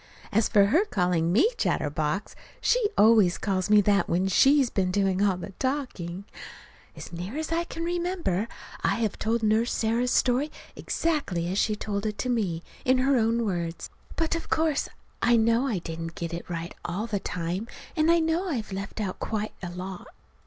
As for her calling me "chatterbox" she always calls me that when she's been doing all the talking. As near as I can remember, I have told Nurse Sarah's story exactly as she told it to me, in her own words. But of course I know I didn't get it right all the time, and I know I've left out quite a lot.